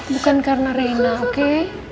bukan karena reina oke